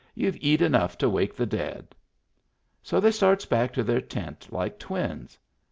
You've eet enough to wake the dead." So they starts back to their tent like twins.